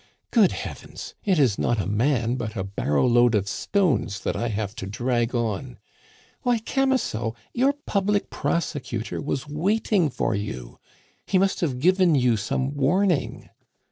Good heavens! it is not a man, but a barrow load of stones that I have to drag on! Why, Camusot, your public prosecutor was waiting for you. He must have given you some warning."